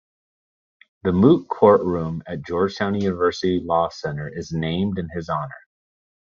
The moot court room at Georgetown University Law Center is named in his honor.